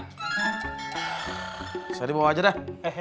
bisa di bawah aja dah